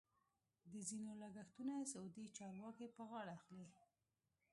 د ځینو لګښتونه سعودي چارواکي په غاړه اخلي.